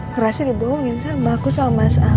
ngerasa dibohongin sama aku sama mas al